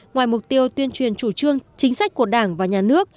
ngoài mục tiêu tuyên truyền chủ trương chính sách của đảng và nhà nước